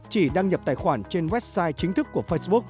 chỉ đăng nhập tài khoản trên website chính thức của facebook